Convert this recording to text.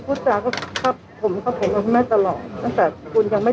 พูดจากเพิ่มผมโดนทำหัวคุณแม่ตลอดตั้งแต่คุณยังไม่